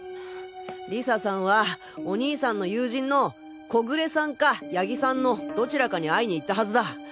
理沙さんはお兄さんの友人の小暮さんか谷木さんのどちらかに会いに行ったはずだ。